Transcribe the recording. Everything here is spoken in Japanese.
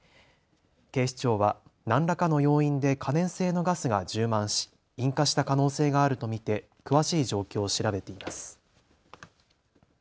警視庁は何らかの要因で可燃性のガスが充満し引火した可能性があると見て詳しい状況を調べています。